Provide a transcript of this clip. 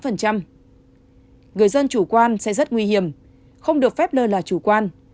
người dân chủ quan sẽ rất nguy hiểm không được phép lơ là chủ quan